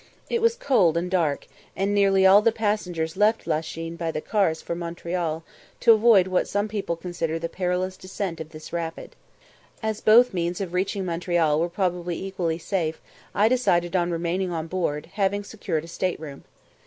It was cold and dark, and nearly all the passengers left La Chine by the cars for Montreal, to avoid what some people consider the perilous descent of this rapid. As both means of reaching Montreal were probably equally safe, I decided on remaining on board, having secured a state room.